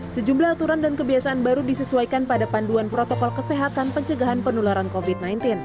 sejumlah aturan dan kebiasaan baru disesuaikan pada panduan protokol kesehatan pencegahan penularan covid sembilan belas